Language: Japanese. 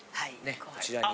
こちらに。